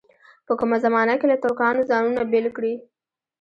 په کومه زمانه کې له ترکانو ځانونه بېل کړي.